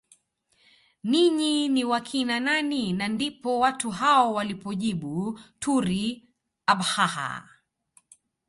Ninyi ni wakina nani na ndipo watu hao walipojibu turi Abhaha